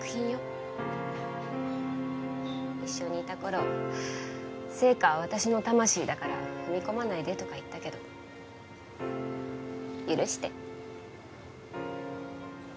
一緒にいた頃『ＳＥＩＫＡ』は私の魂だから踏み込まないでとか言ったけど許して。